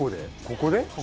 ここで。